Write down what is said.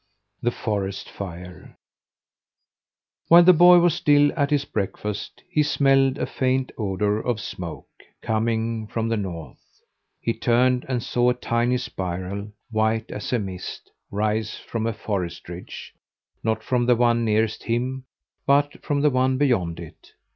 THE FOREST FIRE While the boy was still at his breakfast he smelled a faint odour of smoke coming from the north. He turned and saw a tiny spiral, white as a mist, rise from a forest ridge not from the one nearest him, but from the one beyond it.